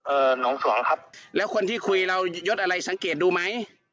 หนองสวงครับแล้วคนที่คุยเรายดอะไรสังเกตดูไหม